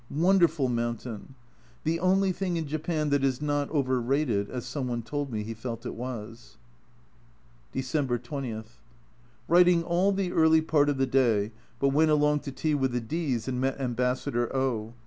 Wonderful mountain! " The only thing in Japan that is not overrated," as some one told me he felt it was. December 20. Writing all the early part of the day, but went along to tea with the D 's and met Ambassador O